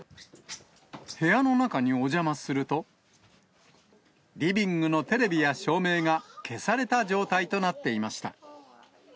部屋の中にお邪魔すると、リビングのテレビや照明が消された状態となっていました。